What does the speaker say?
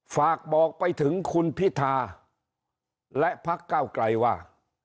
ฝากบอกไปถึงคุณพิธาและพักเก้าไกลว่า